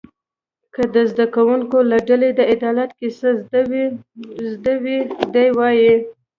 که د زده کوونکو له ډلې د عدالت کیسه زده وي و دې وایي.